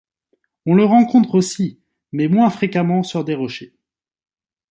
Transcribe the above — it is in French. On le rencontre aussi mais moins fréquemment sur des rochers.